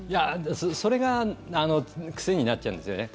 それが癖になっちゃうんですよね。